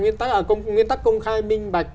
nguyên tắc công khai minh bạch